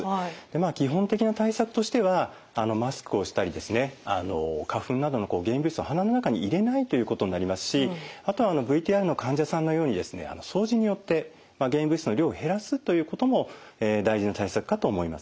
まあ基本的な対策としてはマスクをしたりですね花粉などの原因物質を鼻の中に入れないということになりますしあとはＶＴＲの患者さんのようにですね掃除によって原因物質の量を減らすということも大事な対策かと思います。